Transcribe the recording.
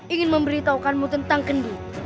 ingin memberitahukanmu tentang kendih itu